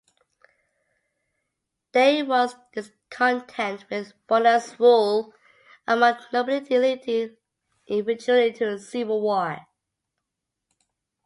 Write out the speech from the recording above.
There was discontent with Borna's rule among the nobility leading eventually to civil war.